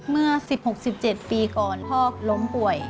เมื่อ๑๖๑๗ปีก่อนพ่อล้มป่วย